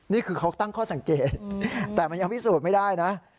นี่คือเขาตั้งข้อสังเกตแต่มันยังพิสูจน์ไม่ได้นะ